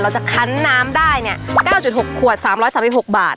เราจะคันน้ำได้เนี้ยเก้าจุดหกขวดสามร้อยสามพี่หกบาท